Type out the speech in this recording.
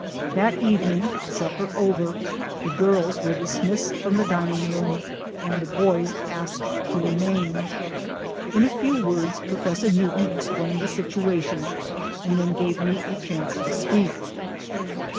That evening, supper over, the girls were dismissed from the dining room and the boys asked to remain. In a few words Professor Newton explained the situation and then gave me a chance to speak.